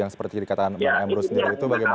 seperti yang dikatakan mbak emro sendiri bagaimana